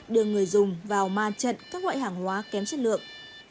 đưa người dùng vào ma trận các loại hàng hóa kém chất lượng